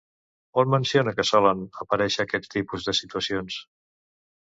On menciona que solen aparèixer aquest tipus de situacions?